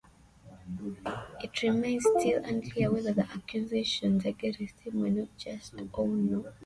It remains still unclear whether the accusations against him were just or not.